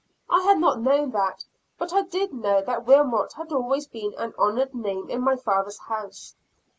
I had not known that, but I did know that Wilmot had always been an honored name in my father's house.